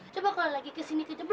coba kalau lagi kesini kita jempol